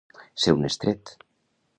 Ser un estret.